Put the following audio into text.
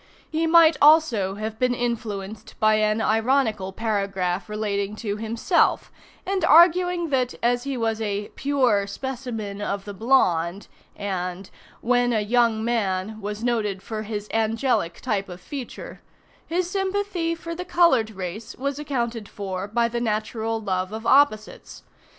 He might also have been influenced by an ironical paragraph relating to himself, and arguing that, as he was a "pure specimen of the blonde," and "when a young man was noted for his angelic type of feature," his sympathy for the colored race was accounted for by the natural love of opposites.